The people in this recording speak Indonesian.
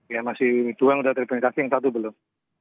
ya masih dua yang sudah terpentasi yang satu belum